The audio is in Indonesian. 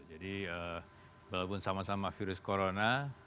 jadi walaupun sama sama virus corona